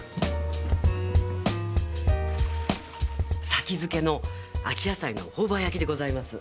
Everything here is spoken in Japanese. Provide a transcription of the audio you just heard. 先付けの秋野菜のほおば焼きでございます